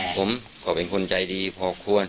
ผมก็เป็นคนใจดีพอควร